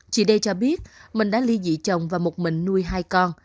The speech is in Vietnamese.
chị đê cho biết mình đã ly dị chồng và một mình nuôi hai con